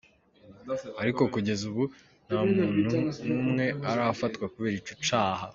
Ariko kugeza ubu nta muntu n'umwe arafatwa kubera ico caha.